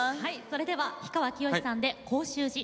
それでは氷川きよしさんで「甲州路」。